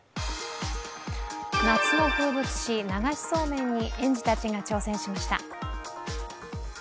夏の風物詩、流しそうめんに園児たちが挑戦しました。